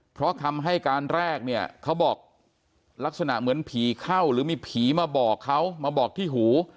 เพราะคำให้การแรกเนี่ยเขาบอกลักษณะเหมือนผีเข้าหรือมีผีมาบอกเขามาบอกที่หู